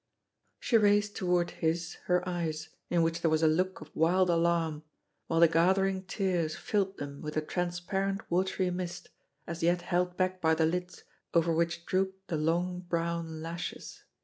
She raised toward his her eyes, in which there was a look of wild alarm, while the gathering tears filled them with a transparent watery mist, as yet held back by the lids, over which drooped the long, brown lashes.